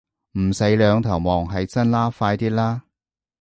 唔使兩頭望，起身啦，快啲啦